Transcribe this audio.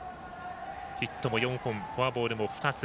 ヒットも４本、フォアボール２つ。